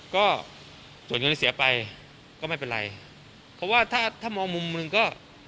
ก็ส่วนเงินที่เสียไปก็ไม่เป็นไรเพราะว่าถ้าถ้ามองมุมหนึ่งก็